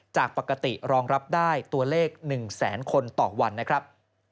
จากปกติรองรับได้ตัวเลข๑แสนคนต่อวันนะครับ